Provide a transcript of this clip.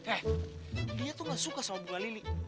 eh dia tuh gak suka sama bunga lili